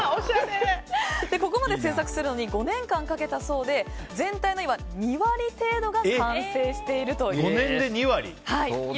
ここまで制作するのに５年間かけたそうで今、全体の２割程度が完成しているということです。